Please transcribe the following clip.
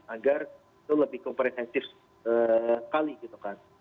agar itu lebih komprensif kali gitu kan